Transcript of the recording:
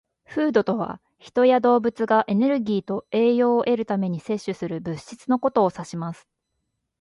"Food" とは、人や動物がエネルギーと栄養を得るために摂取する物質のことを指します。